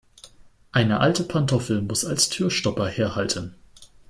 Eine alte Pantoffel muss als Türstopper herhalten.